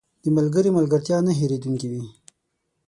• د ملګري ملګرتیا نه هېریدونکې وي.